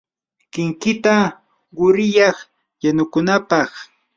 kinkita quriyay yanukunapaq.